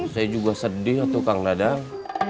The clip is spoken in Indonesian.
saya juga sedih ya tukang dadang